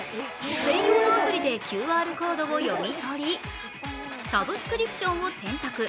専用のアプリでＱＲコードを読み取りサブスクリプションを選択。